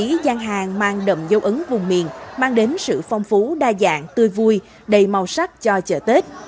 các gian hàng mang đậm dấu ấn vùng miền mang đến sự phong phú đa dạng tươi vui đầy màu sắc cho chợ tết